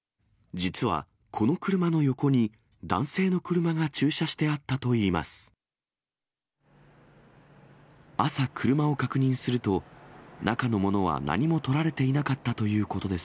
実は、この車の横に、男性の車が駐車してあったといいます。